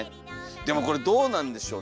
でもこれどうなんでしょう。